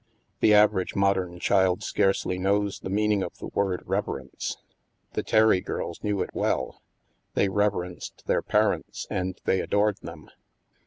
The average modern child scarcely knows the meaning of the word reverence. The Terry girls knew it well. They reverenced their parents, and they adored them.